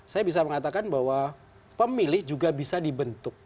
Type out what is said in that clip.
saya bisa mengatakan bahwa pemilih juga bisa dibentuk